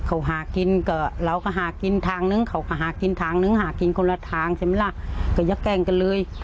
เขาหากินเราก็หากินทางนึงเขาก็หากินทางหนึ่งหากินคนละทางอย่าแกล้งกันเลย